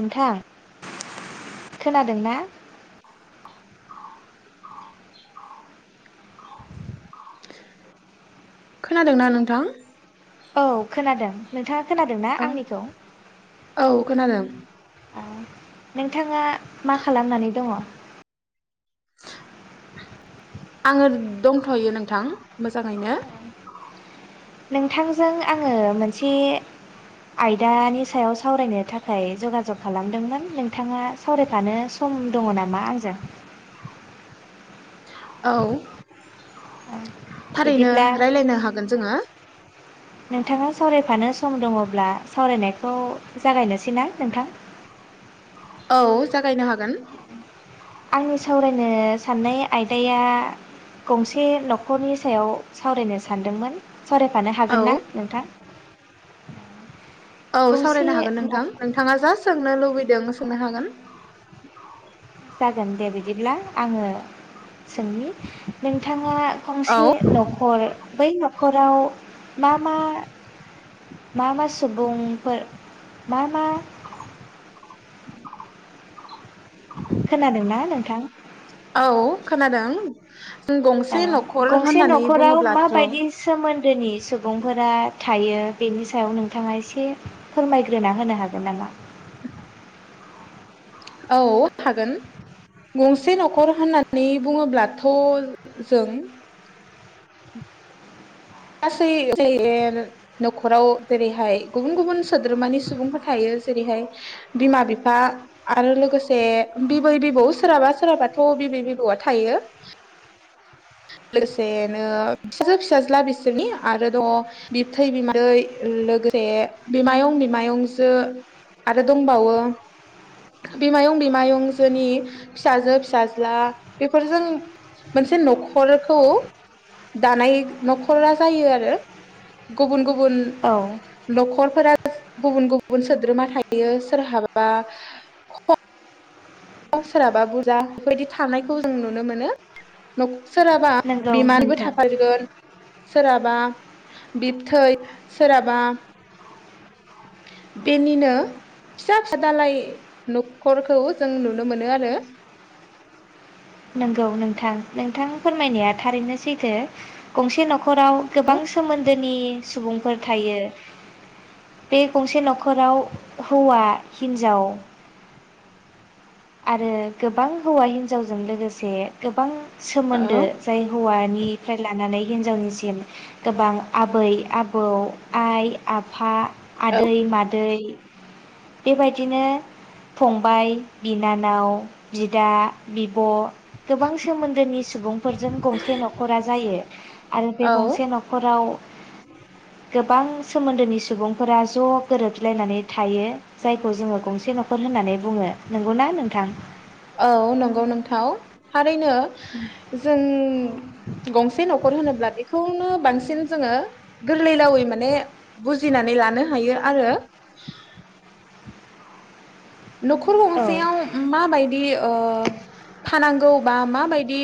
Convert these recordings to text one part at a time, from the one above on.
नोंथां खोनादों ना? खोनादों ना नोंथां? औ खोनादों। नोंथाङा खोनादों ना औ आंनिखौ? औ खोनादों। अ। नोंथाङा मा खालामनानै दङ'? आङो दंथ'यो नोंथां मोजाङैनो। नोंथांजों आङो मोनसे आयदानि सायाव सावरायनो थाखाय जगाजग खालामदोंमोन नोंथाङा सावरायफानो सम दङ नामा आंजों? औ। थारैनो बिदिब्ला रायलायनो हागोन जोङो [inaudible] नोंथाङा सावरायफानो सम दङब्ला सावरायनायखौ जागायनोस सै ना नोंथां? औ जागायनो हागोन। आंनि सावरायनो साननाय आयदाया गंसे न'खरनि सायाव सावरायनो सानदोंमोन। सावरायफानो औ हागोन ना नोंथां? औ गंसे सावरायनो हागोन नोंथां। न'खर नोंथाङा जा सोंनो लु लुबैदों सोंनो हागोन। जागोन दे बिदिब्ला आङो जोंनि नोंथाङा औ गंसे न'खर बै नखराव मा मा मा मा सुबुंफोर मा मा [inaudible] खोनादोंना नों नोंथां? औ खोनादों। जों औ गंसे न'खर गंसे होननानै न'खराव बुङोब्लाथ' माबायदि सोमोन्दोनि सुबुंफोरा थायो बेनि सायाव नोंथाङा एसे फोरमायग्रोना होनो हागोन नामा? औ हागोन गंसे न'खर होननानै बुङोब्लाथ' जों गासै ज न'खराव जेरैहाय गुबुन गुबुन सोद्रोमानि सुबुंफोर थायो जेरैहाय बिमा बिफा आरो लोगोसे बिबै बिबौ सोरहाबा सोरहाबाथ' बिबै बिबौआ थायो। लोगोसेनो फिसाजो फिसाज्ला बिसोरनि आरो दङ बिबथै बिमादै लोगोसे बिमायं बिमायंजो आरो दंबावो बिमायं बिमायंजोनि फिसाजो फिसाज्ला बेफोरजों मोनसे न'ख नख'रखौ दानाय न'खरा जायो आरो गुबुन गुबुन औ गुबुन न'खरफोरा गुबुन गुबुन सोद्रोमा थायो सोरहाबा ख खम सोरहाबा बुरजा बेफोरबायदि थानायखौ जों नुनो मोनो नख सोरहाबा नंगौ बिमानबो नोंथां थाफागोन। सोरहाबा बिबथै सोरहाबा बेनिनो फिसा फिसा दालाय न'खरखौ जों नुनो मोनो आरो। [inaudible] नंगौ नोंथां नोंथां फोरमायनाया थारैनो सैथो गंसे न'ख खराव गोबां औ सोमोन्दो नि सुबुंफोर थायो बे गंसे न'खराव हौवा हिन्जाव आरो गोबां हौवा हिन्जावजों लोगोसे गोबां सोमोन्दो जाय हौवानिफ्राय लानानै हिनजावनिसिम गोबां आबै-आबौ, आइ-आफा औ आदै-माद बेबायदिनो फंबाय बिनानाव, बिदा, बि ब' गोबां सोमोन्दोनि सुबुंफोरजों गंसे न'खरा जायो आरो बे औ गंसे न'खराव गोबां सोमोन्दोनि सुबुंफोरा ज' गोरोबलायनानै थायो जायखौ जोङो गंसे न'खर होननानै बुङो नंगौना नोंथां औ नंगौ नोंथाव था ओरैनो जों गंसे न'खर होनोब्ला बेखौनो बांसिन जोङो गोरलैरावै माने बुजिनानै लानो हायो आरो न'खर औ गंसेयाव माबायदि ओ थानांगौ गौबा माबायदि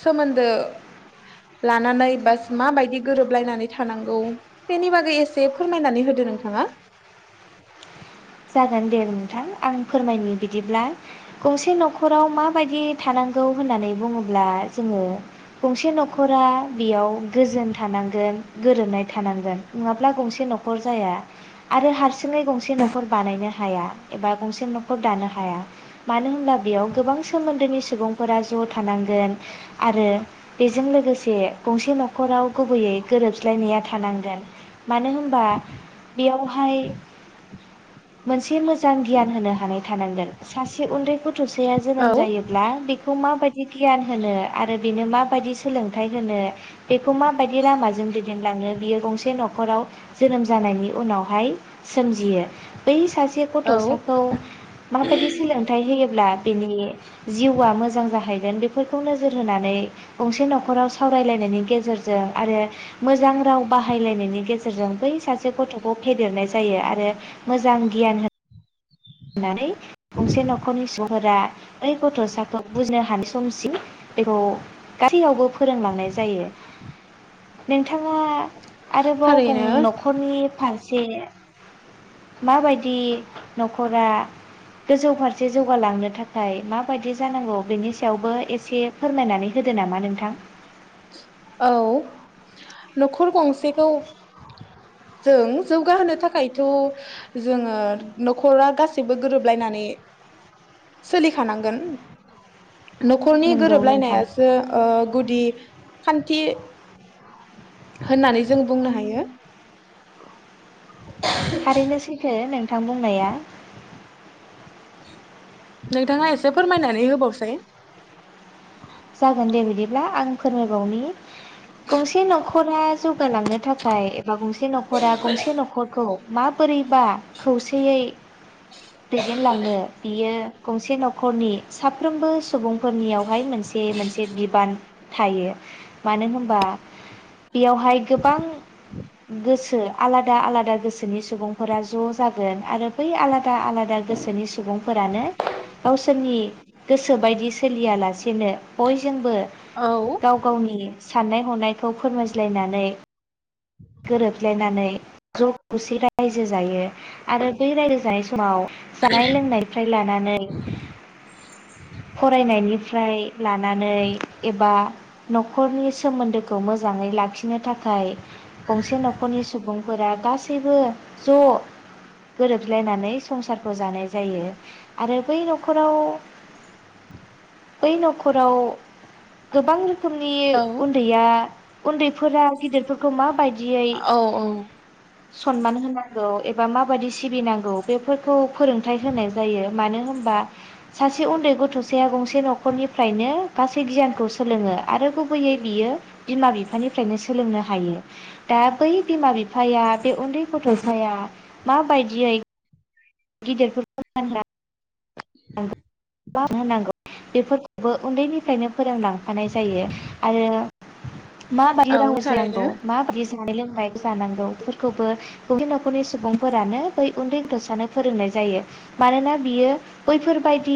सोमोन्दो लानानै बास माबायदि गोरोबलायनानै थानांगौ बेनि बागै एसे फोरमायनानै होदो नोंथाङा जागोन दे नोंथां आं फोरमायनि बिदिब्ला गंसे न'खराव माबायदि थानांगौ होननानै बुङोब्ला जोङो गंसे न'खरा बेयाव गोजोन थानांगोन गोरोबनाय थानांगोन नङाब्ला गंसे न'खर जाया आरो हारसिङै गंसे न'खर बानायनो हाया एबा गंसे न'खर दानो हाया मानो होनब्ला बेयाव गोबां सोमोन्दोनि सुबुंफोरा ज' थानांगोन आरो बेजों लोगोसे गंसे न'खराव गुबैयै गोरोबज्लायनाया थानांगोन मानो होनबा बेयाव गाहाय मोनसे मोजां गियान होनो हानाय थानांगोन सासे उन्दै थसे औ जोनोम जायोब्ला खौ माबायदि गियान होनो आरो बेनो माबायदि सोलोंथाइ होनो बेखौ माबायदि लामाजों दैदेनलाङो बियो गंसे न'खराव जोनोम जानायनि उनावहाय सोमजियो बै सासे औ गथ'साखौ माबायदि सोलोंथाइ होयोब्ला बिनि जिउआ मोजां जाहै बेफोरखौ नोजोर होनानै गंसे न'खराव सावरायलायनायनि गेजेरजों आरो मोजां राव बाहायलायनायनि गेजेरजों बै सासे गथ'खौ फेदेरनाय जायो आरो मोजां गियान हो होननानै गंसे न'खरनि सुबुं फोरा बै गथ'साखौ बुजिनो हानाय समसिम बेखौ गासैयावबो फोरोंलांनाय जायो नोंथाङा आरोबाव गं थारैनो न'खरनि फारसे जे माबायदि न'खर नखरा गोजौ फारसे जौगालांनो थाखाय माबायदि जानांगौ बेनि सायावबो एसे फोरमायनानै होदो नामा नोंथां औ न'खर गंसेखौ जों जौगाहोनो थाखायथ' जोङो न'खरा गासैबो गोरोबलायनानै सोलिखानांगोन न'खरनि नंगौ नोंथां गोरोबलायनायासो गुदि खान्थि होननानै जों बुंनो हायो थारैनो सैखो नोंथां बुंनाया नोंथाङा एसे फोरमायनानै होबावसै जागोन दे बिदिब्ला आं फोरमायबावनि गंसे न'खरा जौगालांनो थाखाय एबा गंसे न'खरा गंसे न'खरखौ माबोरैबा खौसेयै दैदेनलांनो बियो गंसे न'खरनि साफ्रोमबो सुबुंफोरनियावहाय मोनसे बे मोनसे बिबान थायो मानो होनबा बेयावहाय गोबां गोसो आलादा आलादा गोसोनि सुबुंफोरा ज' जागोन आरो बै आलादा आलादा गोसोनि सुबुंफोरानो गावसोरनि गोसो बायदि सोलियालासेनो बयजोंबो औ गाव गावनि साननाय हनायखौ फोरमायज्लायनानै गोरोबलायनानै ज' खौसे रायजो जायो आरो बै रायजो जानाय समाव जानाय लोंनायनिफ्राय लानानै फरायनायनि फ्राय लानानै एबा न'खरनि सोमोन्दोखौ मोजाङै लाखिनो थाखाय गंसे न'खरनि सुबुंफोरा गासैबो ज' गोरोबज्लायनानै संसारखौ जानाय जायो आरो बै न'खराव [inaudible] बै न'खराव गोबां रो खोमनि औ उन्दैया उन्दैफोरा गिदिरफोरखौ मााबायदि औ औ सनमान होनांगौ एबा माबायदि सिबिनांगौ बेफोरखौ फोरोंथाइ होनाय जायो मानो होम बा सासे उन्दै गथ'साया गंसे न'खरनिफ्रायनो गासै गियानखौ सोलोङो आरो गुबैयै बियो बिमा बिफानिफ्रायनो सोलोंनो हायो दा बै बिमा बिफाया बे उन्दै गथ'साया माबायदियै गिदिरफोरखौ [unintelligible] मान होनांगौ बेफोरखौबो उन्दैनिफ्रायनो फोरोंलांफानाय जायो आरो मा बादि राव औ रायज्लाय नांगौ थारैनो मा बादि जानाय लोंनाय जानांगौफोरखौबो गुब न'खरनि सुबुंफोरानो बै उन्दै उथ'सानो फोरोंनाय जायो मानोना बियो बैफोरबायदि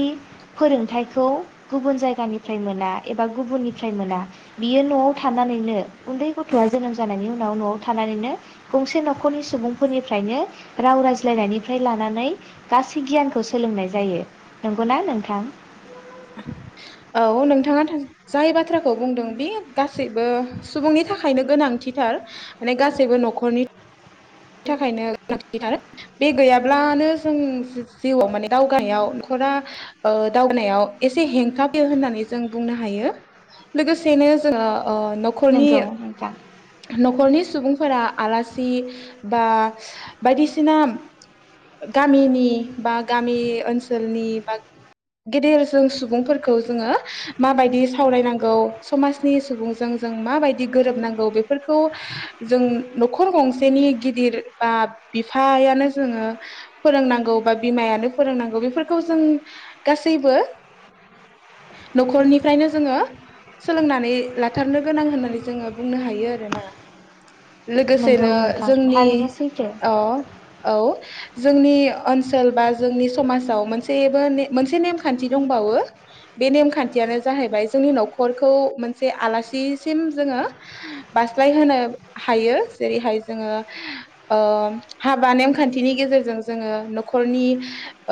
फोरोंथाइखौ गुबुन जायगानिफ्राय मोना एबा गुबुननिफ्राय मोना बियो न'आव थानानैनो उन्दै गथ'आ जोनोम जानायनि उनाव न'आव थानानैनो गंसे न'खरनि सुबुंफोरनिफ्रायनो राव रायज्लायनायनिफ्राय लानानै गासै गियानखौ सोलोंनाय जायो नंगौना नोंथां औ नोंथाङा जाय बाथ्राखौ बुंदों बे गासैबो सुबुंनि थाखायनो गोनांथिथार माने गासैबो न'खरनि बेनि थाखायनो गोनांथिथार बे गैयाब्लानो जों जिउआव माने दावगानायाव न'खरा दावगानायाव एसे हेंथायो होननानै जों बुंनो हायो लोगोसेनो जोङो नखरनि नंगौ नोंथां नखरनि सुबुं फोरा आलासि बा बायदिसिना गामिनि बा गामि ओनसोलनि बा गेदेर जों सुबुंफोरखौ जोङो माबायदि सावरायनांगौ समाजनि सुबुंजों जों माबायदि गोरोबनांगौ बेफोरखौ जों न'खर गंसेनि गिदिर बा बिफायानो जोङो फोरोंनांगौ बा बिमायानो फोरोंनांगौ बेफोरखौ जों गासैबो न'खरनिफ्रायनो जोङो सोलोंनानै लाथारनो गोनां होननानै जोङो बुंनो हायो आरोना लोगोसेनो नंगौ नोंथां जों जोंनि थारैनो सैथो अ औ। जोंनि ओनसोल बा जोंनि समाजाव मोनसेबो मोनसे नेमखान्थि दंबावो बे नेमखान्थियानो जाहैबाय जोंनि न'खरखौ मोनसे आलासिसिम जोङो बास्लायहोनो हायो जेरैहाय जोङो ओ हाबा नेमखान्थिनि गेजेरजों जोङो न'खरनि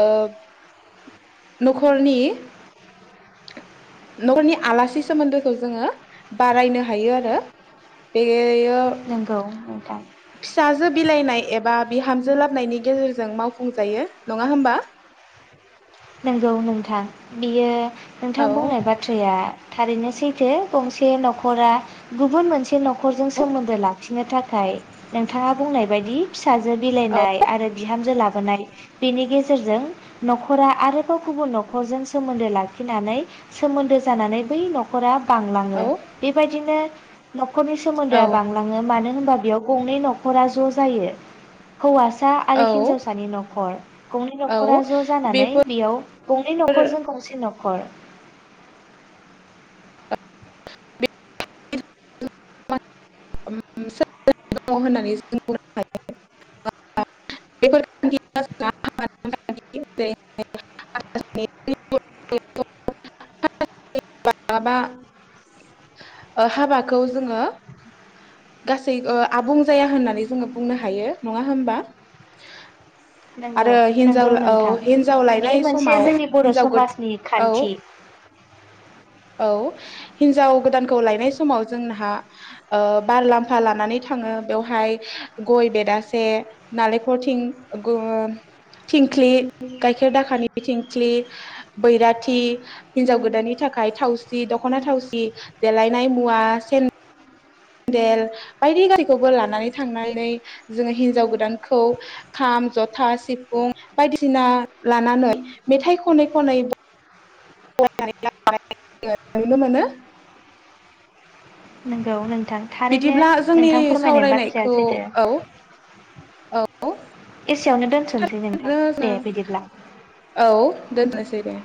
ओ न'खरनि न'खरनि आलासि सोमोन्दोखौ जोङो बारायनो हायो आरो बेयो नोंगौ नोंथां। फिसाजो बिलाइनाय एबा बिहामजो लाबनायनि गेजेरजों मावफुंजायो नङा होमबा? नंगौ नोंथां बियो नोंथां औ बुंनाय बाथ्राया थारैनो सैथो गंसे न'खरा गुबुन मोनसे न'ख खरजों औ सोमोन्दो लाख खिनो थाखाय नोंथाङा बुंनाय बायदि फि फिसाजो बिलाइनाय आरो बिहामजो लाबो बोनाय गेजेरजों न'खरा आरोबाव गुबुन न'खरजों सोमोन्दो लाखिनानै सोमोन्दो जानानै बै न'खरा बांलाङो औ बेबायदिनो [inaudible] न'खरनि औ सोमोन्दोआ बांलाङो मानो होना होमबा बेयाव गंनै नखरा ज' जायो हौवासा सा आरो औ हिनजावसानि न'खर गंनै औ न'खरा ज' जानानै बेफोर बेयाव गंनै न'खरजों गंसे न' न'खर [unintelligible] बा हाबाखौ जोङो गासै ओ आबुं जाया होननानै जोङो बुंनो हायो नङा होनबा? नंगौ नंगौ नोंथां हिनजाव बेयो लायनाय मोनसे समाव जोंनि बर' हिनजाव गो समाजनि औ खान्थि। औ हिनजाव गोदानखौ लायनाय समाव जोंहा ओ बारलामफा लानानै थाङो बेवहाय गय बेदासे नालेखर थिं गु थिंख्लि गायखेर दाखानि थिंख्लि बैराथि हिनजाव गोदाननि थाखाय थावसि दख'ना थावसि देलायनाय मुवा सेन देल बायदि गारिखौबो लानानै थांनानै जोङो हिनजाव गोदानखौ खाम जथा सिफुं बायदिसिना लानानै मेथाइ खनै खनै [unintelligible] नुनो मोनो। नोंगौ नों बिदिब्ला जोंनि बाथ्राया सावरायनायखौ सैथो औ। औ। एसेयावनो दोनथ'नोसै नोंथां दे बिदिब्ला। दोन्थनोसै दे।